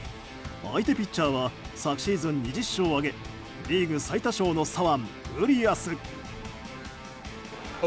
相手ピッチャーは昨シーズン２０勝を挙げリーグ最多勝の左腕ウリアス。